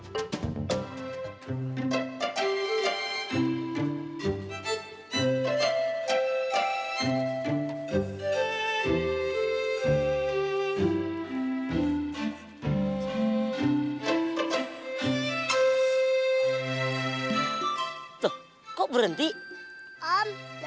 sampai jumpa di video selanjutnya